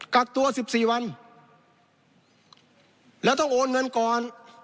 กักตัว๑๔วันแล้วต้องโอนเงินก่อน